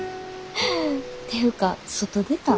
ていうか外出たん？